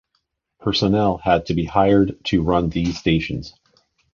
Personnel had to be hired to run these stations.